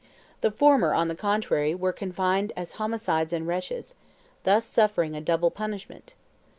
The former, on the contrary, were confined as homicides and wretches, thus suffering a double punishment.